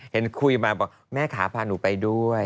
เห็นคุยมาบอกแม่ขาพาหนูไปด้วย